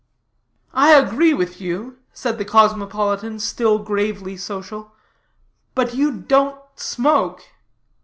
"I agree with you," said the cosmopolitan, still gravely social, "but you don't smoke."